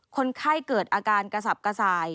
คนไข้เกิดอาการกระสับกระส่าย